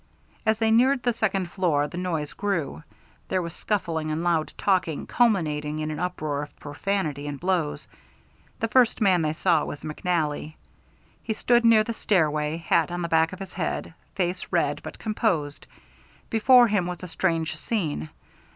As they neared the second floor the noise grew. There was scuffling and loud talking, culminating in an uproar of profanity and blows. The first man they saw was McNally. He stood near the stairway, hat on the back of his head, face red but composed. Before him was a strange scene.